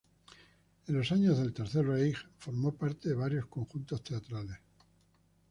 En los años del Tercer Reich formó parte de varios conjuntos teatrales.